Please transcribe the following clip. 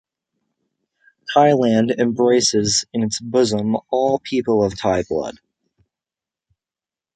Thailand embraces in its bosom all people of Thai blood.